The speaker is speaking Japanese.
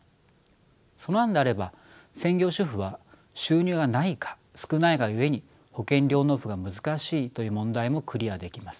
その案であれば専業主婦は収入がないか少ないがゆえに保険料納付が難しいという問題もクリアできます。